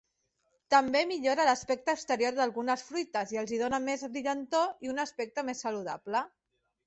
També millora l'aspecte exterior d'algunes fruites i els hi dóna més brillantor i un aspecte més saludable.